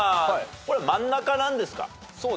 これ真ん中なんですか？